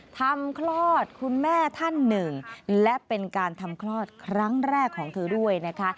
คลอดคุณแม่ท่านหนึ่งและเป็นการทำคลอดครั้งแรกของเธอด้วยนะคะ